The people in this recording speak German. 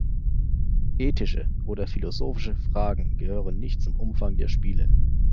Ethische oder philosophische Fragen gehören nicht zum Umfang der Spiele.